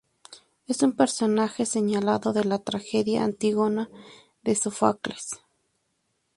Es un personaje señalado de la tragedia "Antígona", de Sófocles.